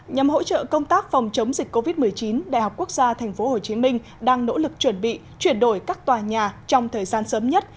nhằm hỗ trợ công tác phòng chống dịch covid một mươi chín đại học quốc gia tp hcm đang nỗ lực chuẩn bị chuyển đổi các tòa nhà trong thời gian sớm nhất